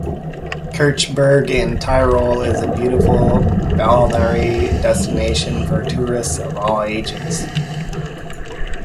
Kirchberg in Tirol is a beautiful balneary destination for tourists of all ages.